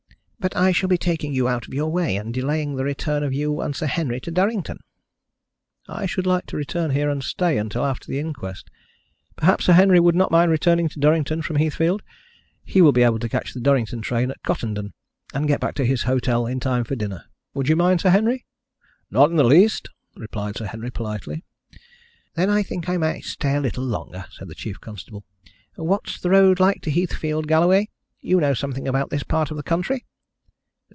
"But I shall be taking you out of your way, and delaying the return of you and Sir Henry to Durrington." "I should like to return here and stay until after the inquest. Perhaps Sir Henry would not mind returning to Durrington from Heathfield. He will be able to catch the Durrington train at Cottenden, and get back to his hotel in time for dinner. Would you mind, Sir Henry?" "Not in the least," replied Sir Henry politely. "Then I think I might stay a little longer," said the chief constable. "What's the road like to Heathfield, Galloway? You know something about this part of the country."